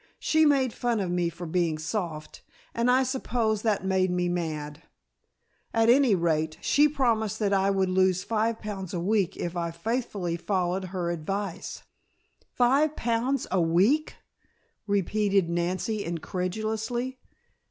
She made fun of me for being soft, and I suppose that made me mad. At any rate, she promised that I would lose five pounds a week if I faithfully followed her advice." "Five pounds a week?" repeated Nancy, incredulously.